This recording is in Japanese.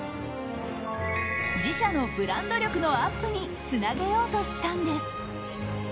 自社のブランド力のアップにつなげようとしたんです。